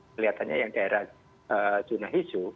keliatannya yang daerah junaido